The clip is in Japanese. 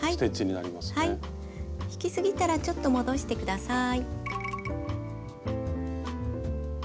引きすぎたらちょっと戻してください。